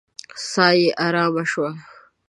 ساه يې آرامه شوه.